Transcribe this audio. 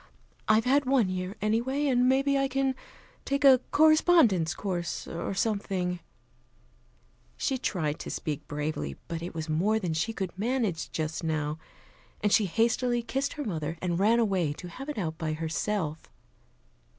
I've had one year, anyway. And maybe I can take a correspondence course, or something " She tried to speak bravely, but it was more than she could manage just now, and she hastily kissed her mother, and ran away to have it out by herself.